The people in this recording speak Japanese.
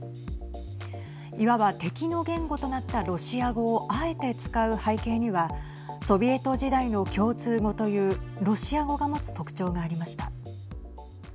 いわば敵の言語となったロシア語をあえて使う背景にはソビエト時代の共通語というロシア語が持つ特徴がありました。